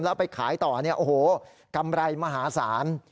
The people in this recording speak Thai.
แล้วไปขายต่อกำไรมหาศาล